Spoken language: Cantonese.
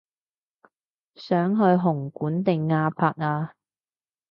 想去紅館定亞博啊